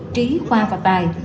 trí khoa và tài